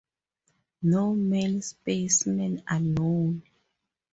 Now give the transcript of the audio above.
No male specimens are known.